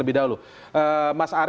untuk kandungan p hp